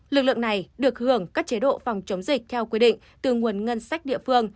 lực lượng này được hưởng các chế độ phòng chống dịch theo quy định từ nguồn ngân sách địa phương